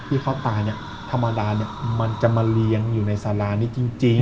ที่เขาตายธรรมดาจะมาเลี้ยงอยู่ในสลานี้จริง